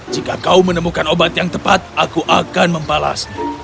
jika kau menemukan obat yang tepat aku akan membalasnya